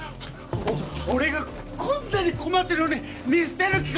俺がこんなに困ってるのに見捨てる気か？